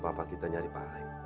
dalam ber discern ringgit